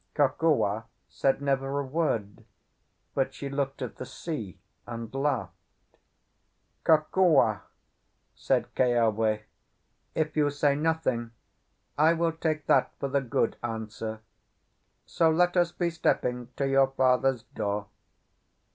Kokua said never a word, but she looked at the sea and laughed. "Kokua," said Keawe, "if you say nothing, I will take that for the good answer; so let us be stepping to your father's door."